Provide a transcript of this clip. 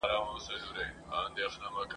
اشرف المخلوقات `